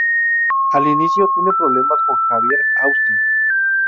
Al inicio tiene problemas con Xavier Austin.